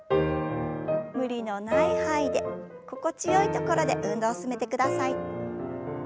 無理のない範囲で心地よいところで運動を進めてください。